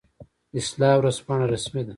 اصلاح ورځپاڼه رسمي ده